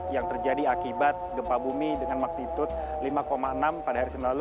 yang terjadi akibat gempa bumi dengan maktitud lima enam pada hari senin lalu